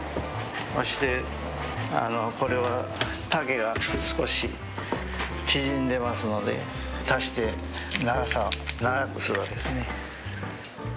そしてこれは丈が少し縮んでますので足して長さを長くするわけですね。